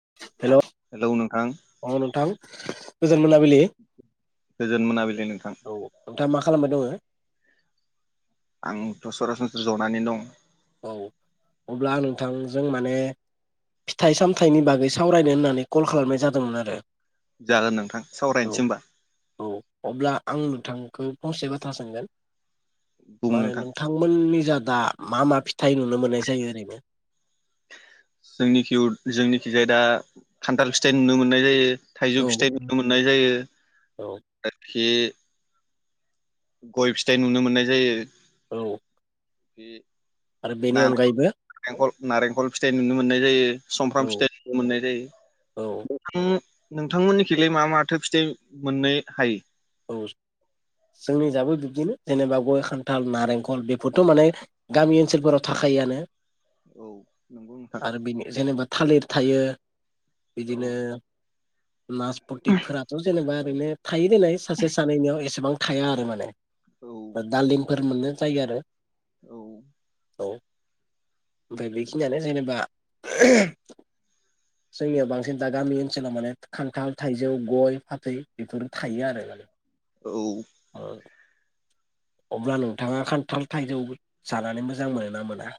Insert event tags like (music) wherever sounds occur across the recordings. (inaudible) Hello औ नोंथां गोजोन मोनाबिलि गोजोन मोनाबिलि नोंथां औ नोंथाङा मा खालामबाय दंङ आंथ सरासनस्रा जनानै दं औ अब्ला आं नोंथांजों माने फिथाइ सामथाइनि बागै सावरायनो होननानै कल खालामनाय जादोंमोन आरो जागोन नोंथां औ सावरायनोसै होमबा औ अब्ला आं नोंथांखौ फंसे बाथ्रा सोंगोन बुं मा होनो नोंथां नोंथांमोननि जा दा मा मा फिथाइ नुनो मोननाय जायो ओरैनो जोंनिखि जोंनिखि जाया दा खान्थाल फिथाइ नुनो मोननाय जायो थाइजौ औ फिथाइ नुनो मोननाय जायो औ (inaudible) बाखि गय फिथाइ नुनो मोननाय जायो औ बे आरो बेनि अनगायैबो नारेंखल नारेंखल फिथाइ नुनो मोननाय जायो औ सफ्राम फिथाइ मोननाय औ जायो (unintelligible) नोंथांमोननिखैलाय मा मा थो फिथाइ मोननो हायो? औ जोंनि जाबो बिब्दिनो जेनेबा गय खान्थाल नारेंखल बेफोरथ माने गामि ओनसोलफोराव थाखायोआनो। औ नोंगौ नोंथां। आरो बेनि जेनेबा थालिर थायो। औ बिदिनो नास फतिफोराथ जेनेबा ओरैनो थायो देलाय सासे सानैनियाव एसेबां थाया आरो माने। दालिमफोर मोनो। जायो आरो। औ। औ ओमफाय बेखिनियानो जेनेबा जोंनियाव बांसिन दा गामि ओनसोलाव माने खान्थाल थाइजौ गय फाथै बेफोर थायो आरो माने। औ। ओ अब्ला नोंथाङा खान्थाल थाइजौ जानानै मोजां मोनोना मोना?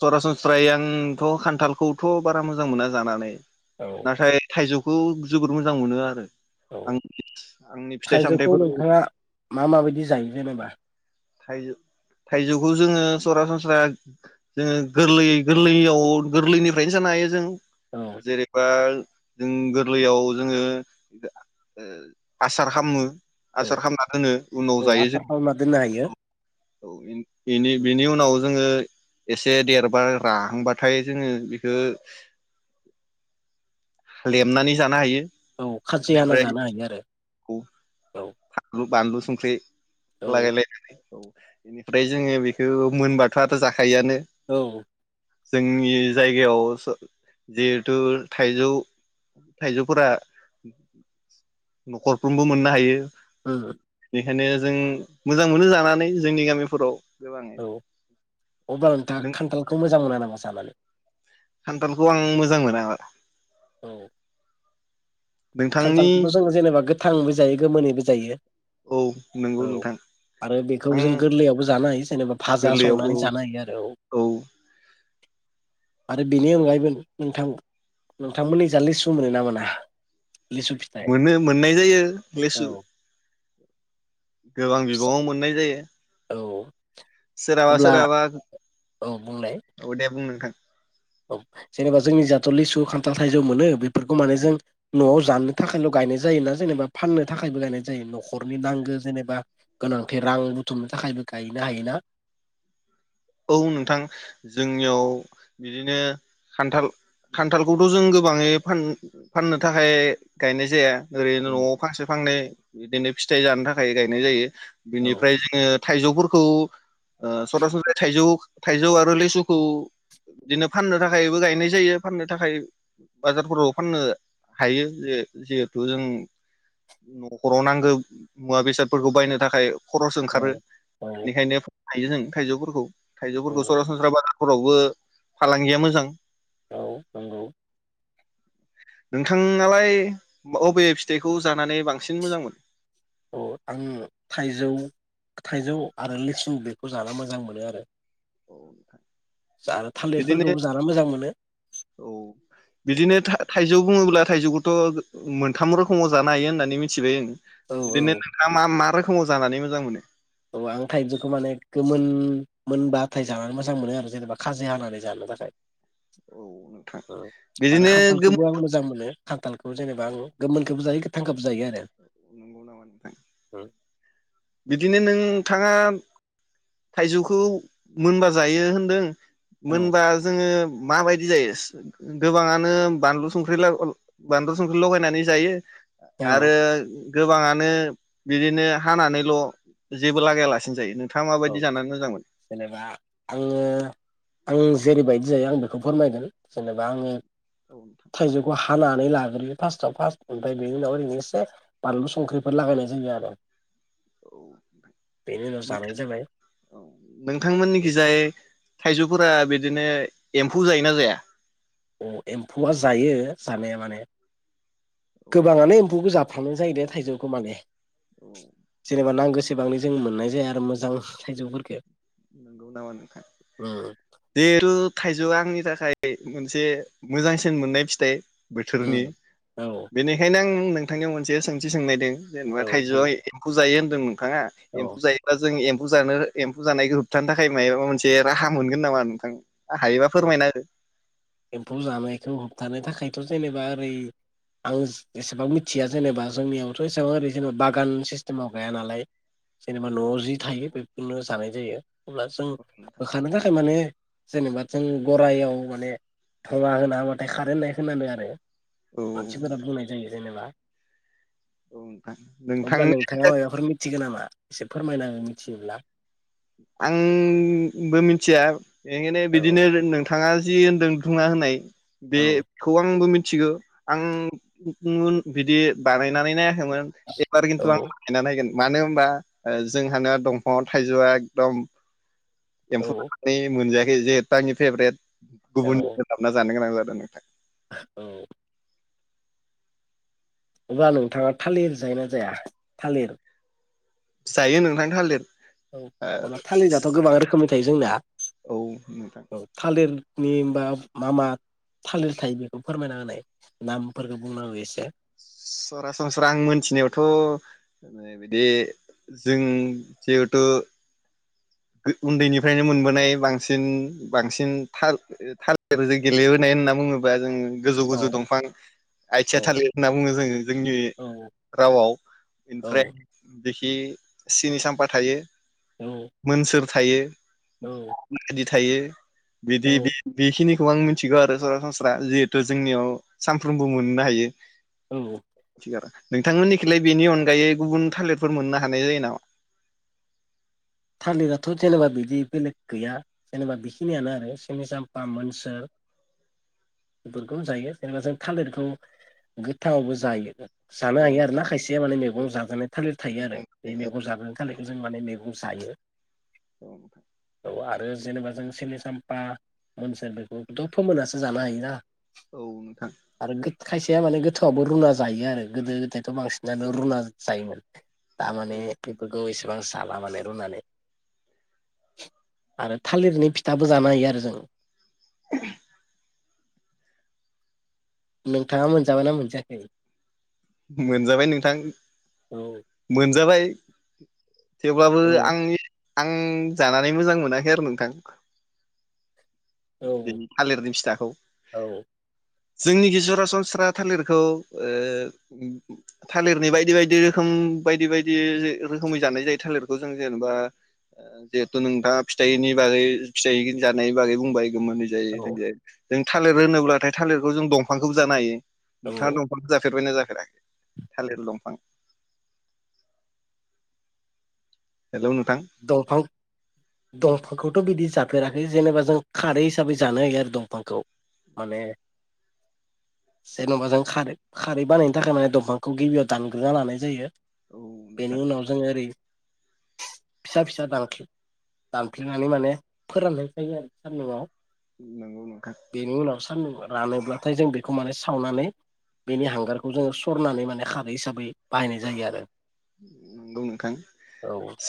सरासनस्रायै आंथ खान्थालखौथ बारा मोजां मोना जानानै। औ नाथाय थाइजौ खौ जोबोद मोजां मोनो आरो। औ आं आंनि फिथाइ थाइजौखौ सामथाइफोर नोंथाङा मा माबायदि जायो जेनेबा? थाइजौ थाइजौखौ जोङो सरासनस्रा जोङो गोरलै गोरलैयाव गोरलैनिफ्रायनो जानो हायो जों। औ जेरैबा जों गोरलैयाव जोङो ओ आसार खाममो। औ आसार खामना दोनो उनाव जायो जों। जायो। (unintelligible) बेनि बेनि उनाव जोङो एसे देरबा राहांबाथाय जोङो बेखो लेमनानै जानो हायो। औ खाजि हाना बेनिफ्राय जानो हायो आरो। (unintelligible) संख्रि औ लागाय लायनानै औ। बेनिफ्राय जोङो बेखौ मोनबाथ आथ जाखा खायोआनो। औ जोंनि जायगायाव जिहेथु थाइजौ थाइजौफोरा न'खरफ्रोमबो मोननो हायो। उम। बेखायनो जों मोजां मोनो जानानै जोंनि गामिफोराव गोबाङै औ अब्ला नोंथाङा नों खान्थालखौ मोजां मोना नामा जानानै? खान्थालखौ आं मोजां मोना। औ। नोंथांनि खान्थालखौथ' जोङो जेनेबा गोथांबो जायो गोमोनैबो जायो औ नंगौ औ नोंथां आरो बेखौ आं जों गोरलैयावबो जानो हायो जेनेबा भाजा गोरलैयाव औ संनानै जानो हायो आरो औ। आरो बेनि अनगायैबो नोंथां नोंथांमोनिजा लिसु मोनो ना मोना? लिसु फिथाइ मोनो मोननाय जायो औ लेसु। गोबां बिबाङाव मोननाय जायो। औ। सोरहाबा अब्ला सोरहाबा औ बुंलाय औ दे बुं नोंथां औ जेनेबा जोंनि जाथ' लिसु खान्थाल थाइजौ मोनो बेफोरखौ माने जों न'आव जानो थाखायल' गायनाय जायो ना जेनेबा फाननो थाखायबो गायनाय जायो न'खरनि नांगो जेनेबा गोनांथि रां बुथुमनो थाखायबो गायनो हायोना? औ नोंथां जोंनियाव बिदिनो खान्थाल खान्थालखौथ' जों गोबाङै फान फाननो थाखाय गायनाय जाया। ओरैनो न'आव फांसे फांनै बिदिनो फिथाइ जानो थाखाय गायनाय जायो। औ बिनिफ्राय जोङो थाइजौफोरखौ ओ (unintelligible) जौ थाइजौ आरो लिसुखौ बिदिनो फाननो थाखायबो गायनाय जायो फाननो थाखाय बाजारफोराव फाननो हायो जिहेत जिहेथु जों न'खराव नांगौ मुवा बेसादफोरखौ बायनो थाखाय खरस औ ओंखारो औ बेनिखायनो गायोजों थाइजौफोरखौ। थाइजौफोरखौ औ सरासनस्रा बाजा फोरावबो फालांगिया मोजां। औ नंगौ। नोंथाङालाय अबबे फिथाइखौ जानानै बांसिन मोजां मोन अ आं थाइजौ थाइजौ आरो लेसु बेखौ जाना मोजां मोनो आरो औ नोंथां। जानो थालिरफोरखौबो जानो मोजां मोनो। जौ बुङोब्ला थाइजौखौथ' मोनथाम रोखोमाव जानो हायो होननानै मिथिबाय आं औ बिदिनो औ नोंथाङा मा मा रोखो फुङाव जानानै मोजां मोनो? अ आं थाइजौखौ माने गोमोन मोनबाथाय जानानै मोजां मोनो आरो जेनेबा खाजि हानानै जानो थाखाय औ नोंथां उम आरो बिदिनो गोमो खान्थालखौबो आं मोजां मोनो खान्थालखौ जेनेबा औ आङो गोमोनखौबो जायो गो नंगौ नामा नोंथां? बिदिनो नोंथाङा थाइजौखौ मोनबा जायो होनदों औ मोनबा जोथोब माबायदि जायोस गोबाङानो बानलु संख्रि ला उ बानलु संख्रि लगायनानै जायो? औ आरो गोबाङानो बिदिनो हानानै ल जेबो लागाया लासिनो जायो नो औ जेनेबा आङो आं जेरैबायद जायो आं बेखौ फोरमायगोन जेनेबा आङो औ थाइजौखौ हा हानानै लाग्रोयो फास्टआव फास्ट ओमफ्राय बेनि उनाव ओरैनो इसे बानलु संख्रिफोर लागायनाय जायो आरो बेनि उनाव नोंथां जानाय जाबाय नोंथांमोननिखि जाय थायजौफोरा बे बिदिनो एम्फौ जायोना जाया? अ एम्फौआ जायो जानाया माने औ गोबाङानो एम्फौखौ जा थांनाइ जायो दे थाइजौखौ माने औ जेनेबा नांगो सेबांनो जों मोननाय जाया आरो मोजां थाइजौफोरफोरखो देरु थाइजौआ आंनि बा फिथाइ मोनसे मोजांसिन मोननाय फिथाइ बोथोरनि उम औ बेनिखायनो आं ओं नोंथांनियाव मोनसे सोंथि सोंनायदों जेनेबा औ बुं थाइजौआ एम्फौ जायो होन (unintelligible) बिफाङा एम्फौ औ जायोब्ला जों ए एम्फु जानो एम्फु जानायखौ होब थानो थाखाय मायाबा मोनसे राहा मोनगोन नामा नोंथां? हायोबा फोरमायना हो एम्फौ जानायखौ होबथानो थाखाय थ जेनेबा ओरै आं एसेबां मिथिया जेनेबा जोंनियावथ एसेबां ओरै जेनेबा बागान सिस्टेमाव गाया नालाय जेनेबा नआव जि थायो बेफोरखौल जानाय जायो अब्ला जों औ होखारनो थाखाय माने जेनेबा जों गरायाव माने थवा होना होबाथाय खारो होननाय खोनादों आरो औ मानसिफोरा बुंनाय जायो जेनेबा औ नोंथां अब्ला नोंथांनि नोंथाङा माइबाफोर मिथिगौ नामा एसे फोरमायनाहो मिथियोब्ला आंबो मिथिया बेखायनो औ बिदिनो नोंथाङा जि होनदों बुंना होनाय औ बेखौ आंबो मिथ मिथिगौ आं बिदि बानायनानैनो (unintelligible) एबार औ खिन्तु आं बानायना नायगोन (unintelligible) मानो होनबा ओ जोंहाना दंफांयावथाइजौआ दम औ एम्फौ जानानै मोनजायाखै (unintelligible) जेतानि फेभरेट औ गुबुनावसो हाबना जानो गोनां जा (unintelligible) औ अब्ला नोंथाङा थालिर जायोना जाया थालिर जायो नोंथां थालिर औ अब्ला थालिराथ' गोबां रोखोमनि थायो जोंना औ नोंथां। नि बा मा मा थालिर थायो बेखौ फोरमायना होनाय नामफोरखौ बुंना हो एसे। सरासनस्रा आं मोनथिनायावथ' बिदि जों जिहेथु उन्दैनिफ्रायनो मोनबोनाय बांसिन बांसिन थाल थाल जों गेलेबोनाय होनना बुङोबा जों गोजौ औ गोजौ दंफां आथिया औ थालिर होनना बुङो जोङो जोंनि औ रावआव औ इनिफ्राय बिखि सिनि साम्फा थायो। औ मोनसोर थायो। औ (unintelligible) थायो। औ बिदि बि बिखिनि खौ आं मिनथिगौ आरो सरासनस्रा जिहेथु जोंनियाव सानफ्रोमबो मोननो हायो। औ नोंथांमोननिखिलाय बेनि अनगायै गुबुन थाइलेरफोर मोननो हानाय जायो नामा? थालिराथ' तेनेकुवा बिदि बेलेग गैया । जेनेबा बेखिनियानो आरो सिनि साम्फा, मोनसोर बेफोरखौनो जायो जेनेबा जों थालिरखौ गोथाङावबो जायो। औ जानो हायो आरो नोंथां ना खायसेया माने औ मेगं जाजानाय थालिर थायो आरो बे मैगं जाजानाय थालिरखौ जों माने मे (unintelligible) जायो। औ औ आरो जेनेबा जों सिनि साम्फा मोनसोर बेखौथ' फोमोननासो जानो हायोना। औ नोंथां आरो गो खायसेया माने गोथाङावबो रुना जायो आरो गोदो गोदाय। थ' औ बांसिनानो रुना नोंथां जायोमोन औ तामाने बेफोरखौ एसेबां जाला माने रुनानै। आरो थालिरनि फिथाबो जानो हायो आरो जों। (inaudible) नोंथाङा मोनजाबाय ना मोनजायाखै? मोनजाबाय नोंथां औ मोनजाबाय। (inaudible) थेवब्लाबो औ आंनि आं जानानै मोजां मोनाखै आरो नोंथां। औ बिनि थालिरनि फिथाखौ। औ जोंनिखि सरासनस्रा थालिरखौ ओ थालिरनि बायदि बायदि रोखोम बायदि बायदि रोखोमै जानाय जायो थालिरखौ जों जेनेबा ओ जिहेथु नोंथाङा फिथाइनि बागै फिथाइनि जानायनि बागै बुंबाय। गोमोनै जायो औ थांङै जायो। जों थालिर होनोब्लाथाय थालिरखौ जों दंफांखौबो जानो हायो। नोंथाङा औ दंफांखो जाफेरबायना जायाख (unintelligible) थालिर दंफां। हेल' नोंथां। दंफां दंफांखौथ' बिदि जाफेराखै जेनेबा जों खारै हिसाबै जानो हायो आरो दंफांखौ माने जेन'बा जों खार-खारै बानायनो थाखाय माने दंफांखौ गिबियाव दानग्रोना लानाय जायो। औ बेनि नोंथां उनाव जों ओरै फिसा फिसा दांख्लि दानफ्लेनानै माने फोराननाय जायो आरो सान्दुआव। नंगौ नोंथां। सान्दुंआव रानोब्लाथाय जों बेखौ माने सावनानै बेनि हांगारखौ जोङो सरनानै माने खारै हिसाबै बाहायनाय जायो आरो। नंगौ नोंथां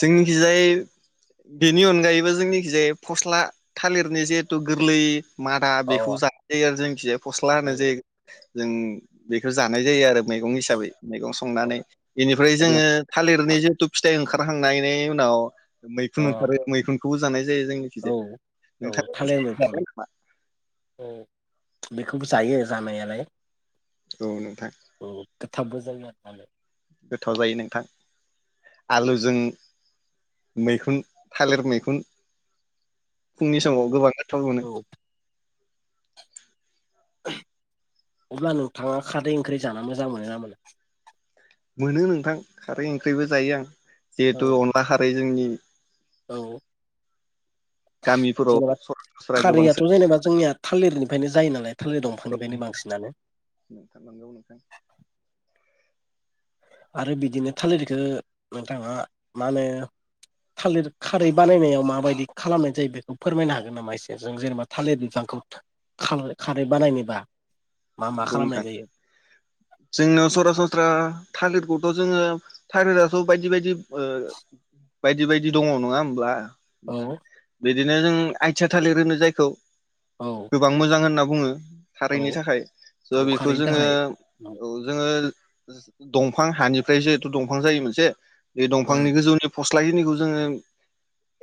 जोंनिखिजाय बेनि अनगायैबो जोंनिखिजाय फस्ला थालिरनि जिहेथु गोरलै मादा औ बेखौ जानाय जायो आरो जोंखिजा फस्ला अ होन्नाय औ जायो। जों बेखौ जानाय जायो आरो। मैगं औ हिसाबै मैगं औ संनानै बिनिफ ओमफाय अब्ला जोङो थालिरनि जिहेथु फिथ फिथाइ ओंखारहांनायनि उनाव अ मैखुन ओंखारो मैखुन खौ जानाय दे जोंनि औ खिजाय औ नोंथां थालिर मैखुन खोमा। औ बेखौबो जायो जामनायालाय। औ नोंथां। गथाबु जायना जानो गोथाव जायो नोंथां आलुजों मैखुन थालिर मैखुन। फुंनि समाव जानो गोबां गोथाव मोनो। औ औ अब्ला नोंथाङा खादै ओंख्रि जा मोजां मोनो ना मोना? मोनो नोंथां। खारै ओंख्रिबो जायो आं जिहेतु औ अनला खारै जोंनि। (unintelligible) औ गामिफोराव जेनेबा सरासनस्रा गोबां खारैयाथ जेनेबा जोंनिया थालिरनिफ्रायनो जायो नालाय थालिर सोलियो दंफांनिफ्रायनो बांसिनानो। नोंथां नंगौ नोंथां आरो बिदिनो थालिरखौ नोंथाङा मा होनो थालिर खारै बानायनायाव माबायदि खालामनाय जायो बेखौ फोरमायनो हागोन नामा एसे जों जेनेबा थालिर बिफांखौ खारै बानायनोबा? मा मा नंगौ खालामनाय नोंथां। जायो जोंनाव सरासनस्रा थालिर खौथ' जोङो थारिराथ बायदि बायदि ओ बायदि बायदि दङ नङा होमब्ला। नोंथां औ बे बिदिनो जों आथिया थालिर होनो जायखौ। औ गोबां मोजां होनना बुङो औ खारैनि थाखाय। ओ औ बेखौ खारैनि जोङो थाखाय औ जोङो ओ दंफां हानिफ्राय जेहुथु दंफां जायो मोनसे बे औ दंफांनि गोजौनि फस्ला जिनिखौ जोङो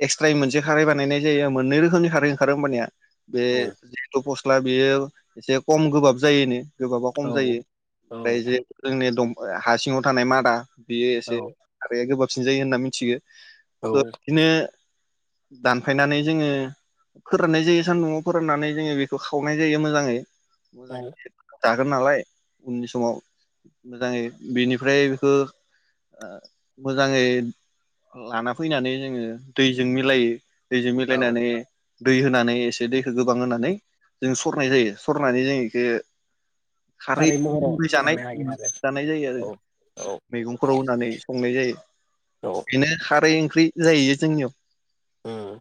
एक्सट्राय मोनसे खारै बानायनाय जायो मोननै रोखोमनि खारै ओंखारो होमबानिया। बे औ जिहेथु फस्थ ला बेयो एसे खम गोबाब जायोनो। गोबाबा खम जायो ओमफ्राय औ जे जोंनि दं हा सिङाव थानाय मादा। बेयो एसे खारैया गोबाब सिन जायो होनना मिन्थियो। स' औ बिदिनो दानफायनानै जोङो फोराननाय जायो सान्दुंआव फोराननानै जोङो बेखौ खावनाय जायो मोजाङै। मोजाङै औ। जागोन नालाय उननि समाव मोजाङै बेनिफ्राय बेखौ मोजाङै लाना फैनानै जोङो दैजों मिलायो। दैजों औ मिलायनानै दै होनानै एसे दैखौ गोबां होनानै जों सरनाय जायो सरनानै जों इखो खारै महराव (unintelligible) जानाय जानो हायो आरो जानाय जायो आरो औ औ मैगंफोराव होनानै संनाय जायो। बेनो खारै ओं ख्रि जाहैयो जोंनियाव। चम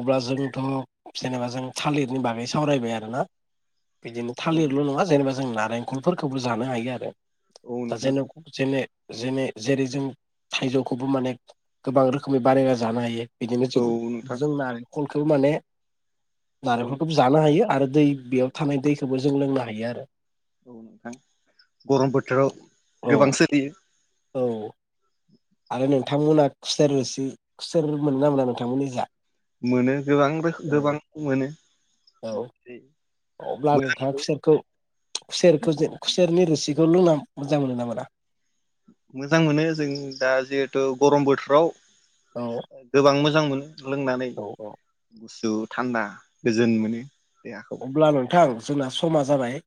अब्ला जोंथ' जेनेबा जों थालिरनि बागै सावरायबाय आरोना। बिदिनो औ थालिरल' नङा जेनेबा जों नारेंखलफोरखौबो जानो हायो आरो। औ दा नोंथां जेरखम जेने जेने जेरै जों थाइजौखौबो माने गोबां रोखोमै बानायना जानो हायो। बिदिनो औ जों नोंथां जों नारेंखल बेखौ माने औ नारेंखलखौबो जानो हायो आरो दै बेयाव थानाय दैखौबो जों लोंनो हायो आरो। औ नोंथां गरम बोथोराव औ गोबां सोलियो। औ आरो नोंथांमोना खुसेर रोसि खुसेर मोनो ना मोना नोंथांमोननि जा? मोनो गोबां रोखोम गोबां औ मोनो औ मोनसै अब्ला नोंथां खुसेरखौ खुसेरखौ खुसेरनि रोसिखौ लोंना मोजां मोनो ना मोना? मोजां मोनो जों दा जिहेथु गरम बोथोराव औ गोबां मोजां मोनो। लोंनानै औ औ गुसु थान्दा गोजोन मोनो। देहाखौ अब्ला नोंथां जोंना समा जाबाय।